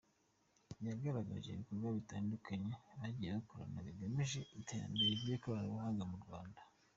Yagaragaje ibikorwa bitandukanye bagiye bakorana bigamije iterambere ry’ikoranabuhanga mu Rwanda.